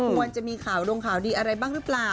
ควรจะมีข่าวดงข่าวดีอะไรบ้างหรือเปล่า